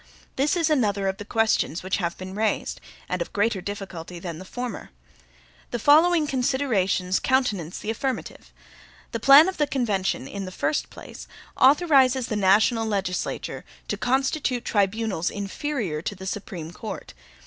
This is another of the questions which have been raised, and of greater difficulty than the former. The following considerations countenance the affirmative. The plan of the convention, in the first place, authorizes the national legislature "to constitute tribunals inferior to the Supreme Court."